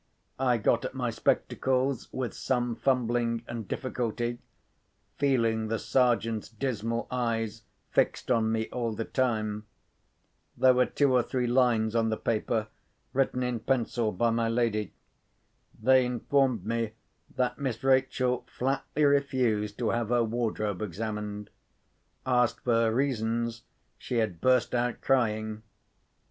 I got at my spectacles, with some fumbling and difficulty, feeling the Sergeant's dismal eyes fixed on me all the time. There were two or three lines on the paper, written in pencil by my lady. They informed me that Miss Rachel flatly refused to have her wardrobe examined. Asked for her reasons, she had burst out crying.